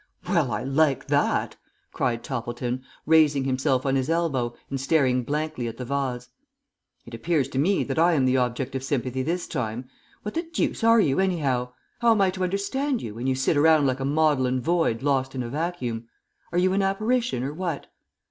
Well, I like that," cried Toppleton, raising himself on his elbow and staring blankly at the vase. "It appears to me that I am the object of sympathy this time. What the deuce are you, anyhow? How am I to understand you, when you sit around like a maudlin void lost in a vacuum? Are you an apparition or what?"